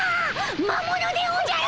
魔物でおじゃる！